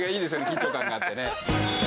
緊張感があってね。